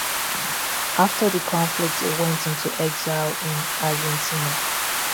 After the conflict he went into exile in Argentina.